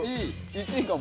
１位かも。